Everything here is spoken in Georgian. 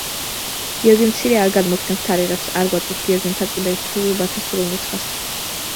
გიორგი მცირე არ გადმოგვცემს თარიღებს, არ გვაწვდის გიორგი მთაწმინდელის თხზულებათა სრულ ნუსხას.